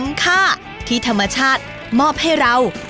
ค่าที่ธรรมชาติมอบให้เรา